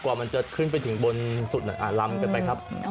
กว่ามันจะขึ้นไปถึงบนสุดอ่ะรำกันไปครับ